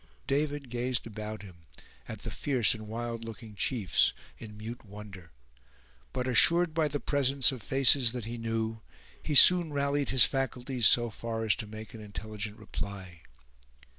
David gazed about him, at the fierce and wild looking chiefs, in mute wonder; but assured by the presence of faces that he knew, he soon rallied his faculties so far as to make an intelligent reply.